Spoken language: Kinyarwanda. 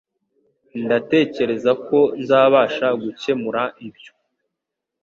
Ndatekereza ko nzabasha gukemura ibyo.